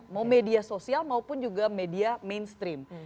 mau media sosial maupun juga media mainstream